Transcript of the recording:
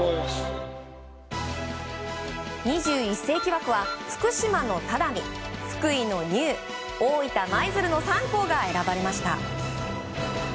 ２１世紀枠は福島の只見福井の丹生、大分・舞鶴の３校が選ばれました。